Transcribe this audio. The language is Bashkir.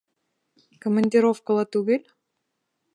Командировкала түгел?